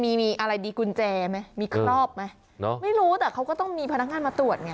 มีมีอะไรดีกุญแจไหมมีครอบไหมเนาะไม่รู้แต่เขาก็ต้องมีพนักงานมาตรวจไง